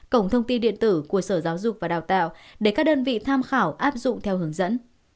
cổng thông tin điện tử của sở giáo dục và đào tạo để các đơn vị tham khảo áp dụng theo hướng dẫn